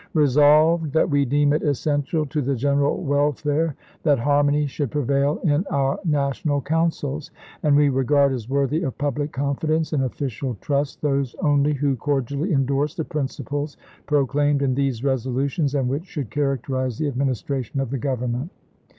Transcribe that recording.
Resolved, That we deem it essential to the general wel fare that harmony should prevail in our national councils, and we regard as worthy of public confidence and official trust those only who cordially indorse the principles pro claimed in these resolutions and which should characterize the administration of the Government.